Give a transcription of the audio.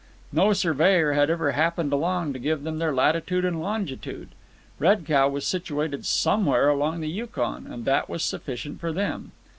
No surveyor had ever happened along to give them their latitude and longitude. Red Cow was situated somewhere along the Yukon, and that was sufficient for them.